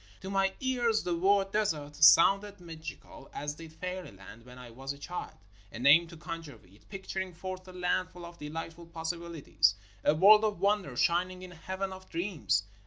To my ears the word "desert" sounded mag ical as did "fairyland" when I was a child; a name to conjure with, picturing forth a land full of delightful possibilities, a world of wonder shining in a heaven of dreams.